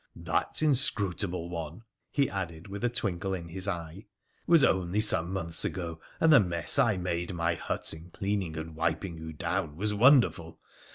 ' That, inscrutable one,' he added with a twinkle in his eye, * was only some months ago, and the mess I made my hut in in cleaning and wiping you down was wonderful.